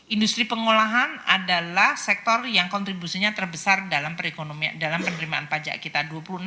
industri pengolahan adalah sektor yang kontribusinya terbesar dalam penerimaan pajak kita dua puluh enam dua